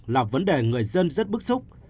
là vấn đề người dân rất bức xúc